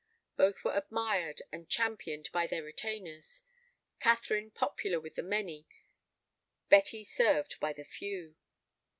Both were admired and championed by their retainers; Catherine popular with the many, Betty served by the few.